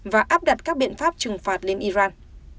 và áp đặt các biện pháp trừng phạt lên iran